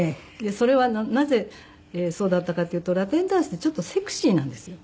それはなぜそうだったかっていうとラテンダンスってちょっとセクシーなんですよ。